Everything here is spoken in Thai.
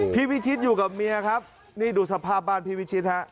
พี่พิชิตอยู่กับเมียครับนี่ดูสภาพบ้านพี่วิชิตฮะ